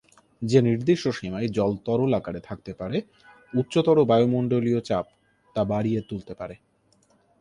যে নির্দিষ্ট সীমায় জল তরল আকারে থাকতে পারে, উচ্চতর বায়ুমণ্ডলীয় চাপ তা বাড়িয়ে তুলতে পারে।